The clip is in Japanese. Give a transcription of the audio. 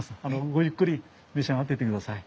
ごゆっくり召し上がってってください。